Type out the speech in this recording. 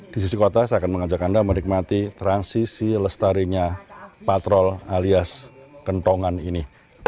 di sisi kota saya akan mengajak anda menikmati transisi lestarinya patrol alias kentongan ini